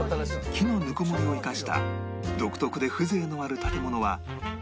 木のぬくもりを生かした独特で風情のある建物は